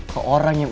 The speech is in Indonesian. ke orang yang